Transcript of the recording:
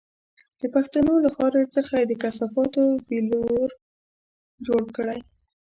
د پښتنو له خاورې څخه یې د کثافاتو بيولر جوړ کړی.